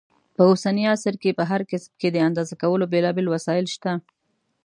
په اوسني عصر کې په هر کسب کې د اندازه کولو بېلابېل وسایل شته.